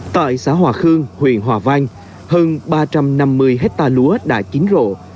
tại xã hòa khương huyện hòa vang hơn ba trăm năm mươi hectare lúa đã chín rộ